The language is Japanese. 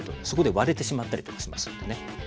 そこで割れてしまったりとかしますのでね。